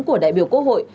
của đại biểu quốc hội